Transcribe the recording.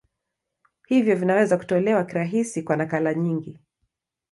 Hivyo vinaweza kutolewa kirahisi kwa nakala nyingi.